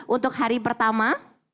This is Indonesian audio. untuk hari pertama